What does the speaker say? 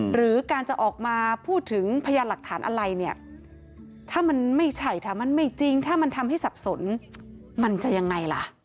หรือการจะออกมาพูดถึงพยานหลักฐานอะไรเนี่ยถ้ามันไม่ใช่ถ้ามันไม่จริงถ้ามันทำให้สับสนมันจะยังไงล่ะ